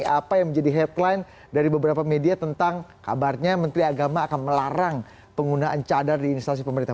apa yang menjadi headline dari beberapa media tentang kabarnya menteri agama akan melarang penggunaan cadar di instansi pemerintah